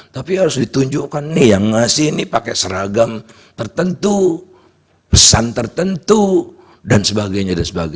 tapi harus ditunjukkan nih yang ngasih ini pakai seragam tertentu pesan tertentu dan sebagainya